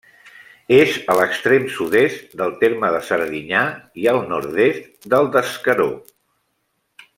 És a l'extrem sud-est del terme de Serdinyà i al nord-est del d'Escaró.